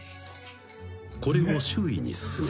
［これを周囲に勧め